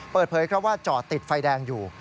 เปิดเผยครับว่าจอดติดไฟแดงอยู่